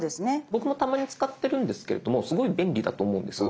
僕もたまに使ってるんですけれどもすごい便利だと思うんです。